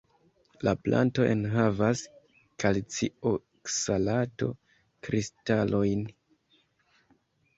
La planto enhavas kalcioksalato-kristalojn.